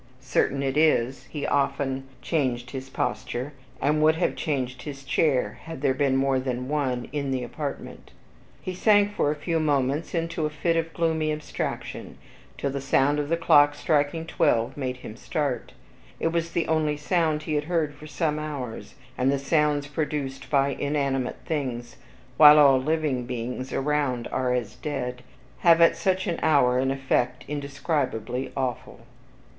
Certain it is, he often changed his posture, and would have changed his chair, had there been more than one in the apartment. He sank for a few moments into a fit of gloomy abstraction, till the sound of the clock striking twelve made him start, it was the only sound he had heard for some hours, and the sounds produced by inanimate things, while all living beings around are as dead, have at such an hour an effect indescribably awful.